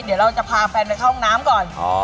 เดี๋ยวเราจะพาแฟนไปเข้าห้องน้ำก่อน